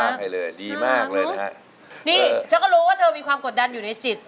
นี่ฉันก็รู้ว่าเธอมีความกดดันอยู่ในจิต